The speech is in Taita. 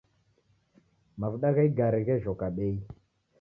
Mavuda gha igare ghejoka bei